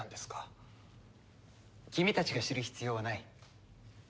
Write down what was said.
君たちが知る必要はない。